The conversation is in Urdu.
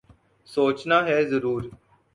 سوچنا ہے ضرور ۔